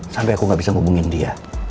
sampai aku gak bisa hubungin dia